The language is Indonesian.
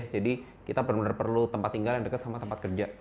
jadi kita benar benar perlu tempat tinggal yang dekat sama tempat kerja